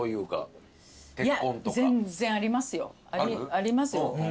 ありますよ。